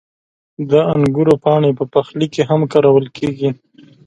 • د انګورو پاڼې په پخلي کې هم کارول کېږي.